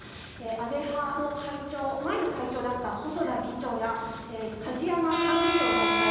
安倍派の前の会長だった細田議長や梶山幹事長代行